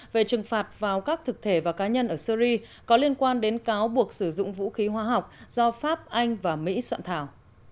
về trừng phạt vào các thực thể và cá nhân ở syri có liên quan đến cáo buộc sử dụng vũ khí hóa học do pháp anh và mỹ soạn thảo